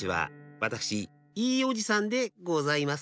わたくしいいおじさんでございます。